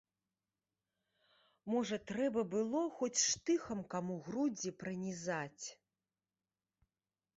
Можа трэба было хоць штыхам каму грудзі пранізаць.